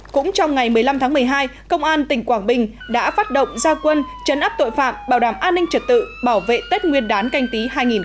cũng trong ngày một mươi năm tháng một mươi hai công an tỉnh quảng bình đã phát động gia quân chấn áp tội phạm bảo đảm an ninh trật tự bảo vệ tết nguyên đán canh tí hai nghìn hai mươi